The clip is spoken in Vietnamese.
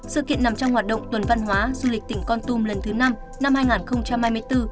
sự kiện nằm trong hoạt động tuần văn hóa du lịch tỉnh con tum lần thứ năm năm hai nghìn hai mươi bốn